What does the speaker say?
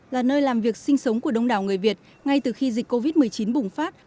là nơi làm việc sinh sống của đông đảo người việt ngay từ khi dịch covid một mươi chín bùng phát